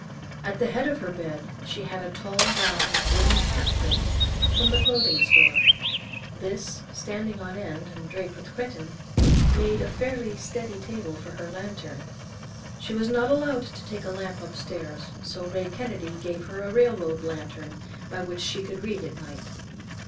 At the head of her bed she had a tall round wooden hat crate, from the clothing store. This, standing on end and draped with cretonne, made a fairly steady table for her lantern. She was not allowed to take a lamp upstairs, so Ray Kennedy gave her a railroad lantern by which she could read at night.